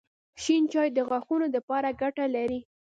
شېن چای د غاښونو دپاره ګټه لري